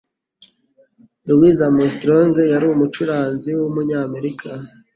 Louis Armstrong yari umucuranzi wumunyamerika.